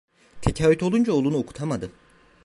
Tekaüt olunca oğlunu okutamadı.